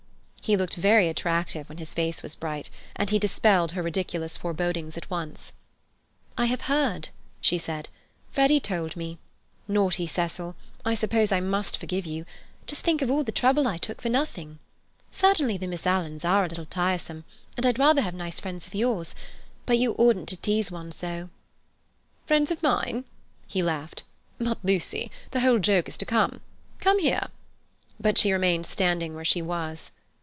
He looked very attractive when his face was bright, and he dispelled her ridiculous forebodings at once. "I have heard," she said. "Freddy has told us. Naughty Cecil! I suppose I must forgive you. Just think of all the trouble I took for nothing! Certainly the Miss Alans are a little tiresome, and I'd rather have nice friends of yours. But you oughtn't to tease one so." "Friends of mine?" he laughed. "But, Lucy, the whole joke is to come! Come here." But she remained standing where she was.